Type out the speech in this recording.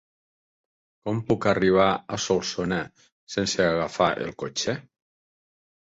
Com puc arribar a Solsona sense agafar el cotxe?